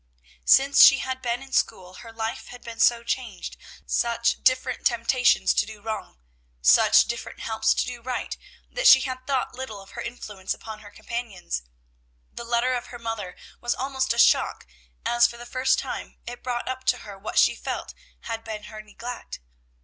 Since she had been in school her life had been so changed, such different temptations to do wrong, such different helps to do right, that she had thought little of her influence upon her companions. The letter of her mother was almost a shock, as, for the first time, it brought up to her what she felt had been her neglect.